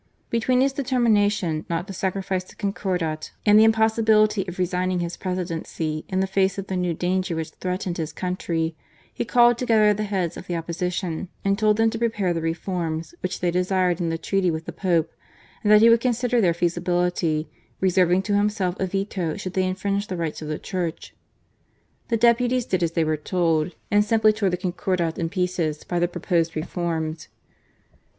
Between his determination not to sacrifice the Concordat, and the impossibility of resigning his Presidency in the face of the new danger which threatened his country, he called together the heads of the Opposition and told them to prepare the reforms which they desired in the treaty with the Pope, and that he would consider their feasibility, reserving to himself a veto should they infringe the rights of the Church. The deputies did as they were told, and simply tore the Concordat in pieces by their proposed reforms.